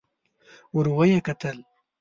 ور ويې کتل.